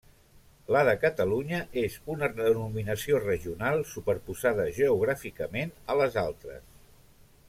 La de Catalunya és una denominació regional superposada geogràficament a les altres.